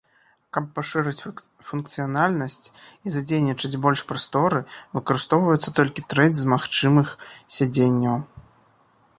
Каб пашырыць функцыянальнасць і задзейнічаць больш прасторы, выкарыстоўваецца толькі трэць з магчымых сядзенняў.